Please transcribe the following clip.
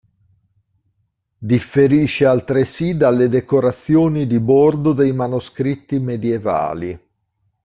Differisce altresì dalle decorazioni di bordo dei manoscritti medievali.